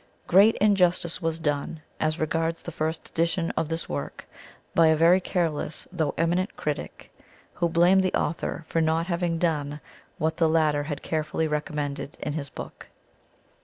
Great injustice was done, as regards the first edition of this work, by a very careless though eminent critic, who blamed the author for not having done what the latter had carefully recommended in his book.